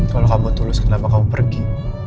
kalau kamu tulus kenapa kamu pergi